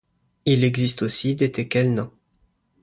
Il existe aussi des teckels nains.